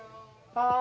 はい。